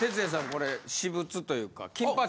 これ私物というか。